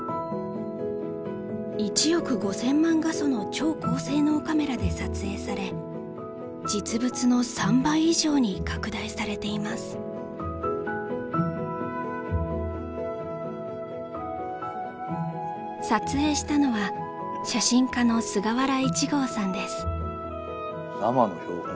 １億５，０００万画素の超高性能カメラで撮影され実物の３倍以上に拡大されています撮影したのは写真家の菅原一剛さんです